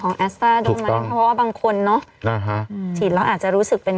ของแอสต้าถูกต้องเพราะว่าบางคนเนอะอ่าฮะฉีดแล้วอาจจะรู้สึกเป็น